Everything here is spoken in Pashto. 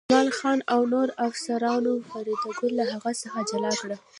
جمال خان او نورو افسرانو فریدګل له هغه څخه جلا کړ